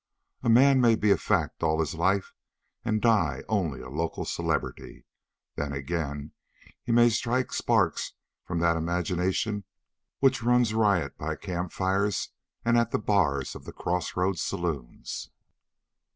A man may be a fact all his life and die only a local celebrity. Then again, he may strike sparks from that imagination which runs riot by camp fires and at the bars of the crossroads saloons.